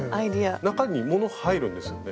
中にもの入るんですよね？